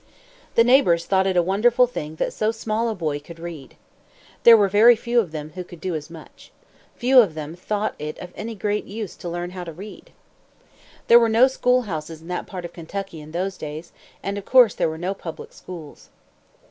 The neighbors thought it a wonderful thing that so small a boy could read. There were very few of them who could do as much. Few of them thought it of any great use to learn how to read. There were no school houses in that part of Kentucky in those days, and of course there were no public schools.